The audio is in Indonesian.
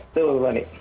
itu pak fani